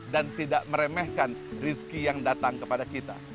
dan tidak meremehkan rizki yang datang kepada kita